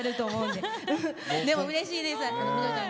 でも、うれしいです。